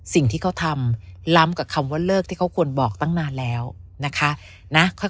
สิ่งที่เขาทำล้ำกับคำว่าเลิกที่เขาควรบอกตั้งนานแล้วนะคะ